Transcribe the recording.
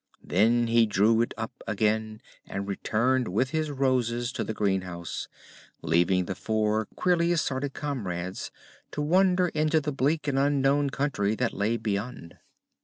Then he drew it up again and returned with his Roses to the greenhouse, leaving the four queerly assorted comrades to wander into the bleak and unknown country that lay beyond.